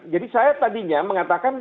jadi saya tadinya mengatakan